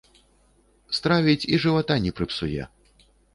Стравіць і жывата не прыпсуе.